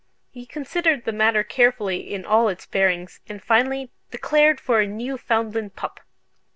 He considered the matter carefully in all its bearings, and finally declared for a Newfoundland pup.